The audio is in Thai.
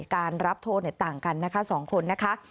การรับโทษต่างกันนะคะ๒คนนะคะ